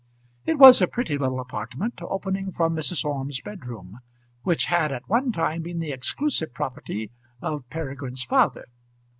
It was a pretty little apartment, opening from Mrs. Orme's bed room, which had at one time been the exclusive property of Peregrine's father.